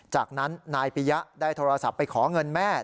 จากนั้นนายปียะได้โทรศัพท์ไปขอเงินแม่